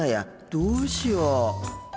どうしよう。